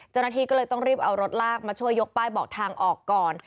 เจ้าหน้าที่ก็เลยต้องรีบเอารถลากมาช่วยยกป้ายบอกทางออกก่อน